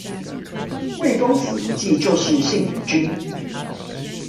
魏公子無忌就是信陵君